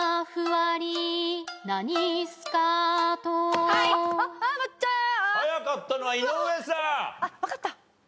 わかった。